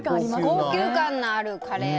高級感あるカレー。